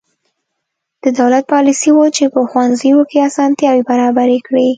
د دولت پالیسي وه چې په ښوونځیو کې اسانتیاوې برابرې کړې.